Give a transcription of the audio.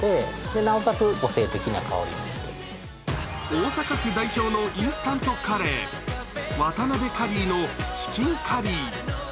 大阪府代表のインスタントカレー、渡邊カリーのチキンカリー。